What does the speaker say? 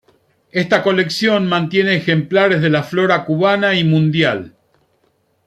Esta colección mantiene ejemplares de la flora Cubana y Mundial.